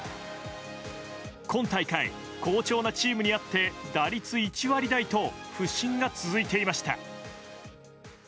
今大会、好調なチームにあって打率１割台と不振が続いていました。